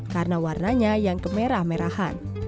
karena warnanya yang kemerah merahan